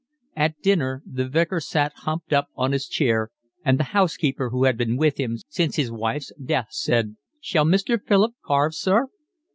At dinner the Vicar sat humped up on his chair, and the housekeeper who had been with him since his wife's death said: "Shall Mr. Philip carve, sir?"